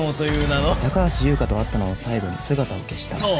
高橋優花と会ったのを最後に姿を消した。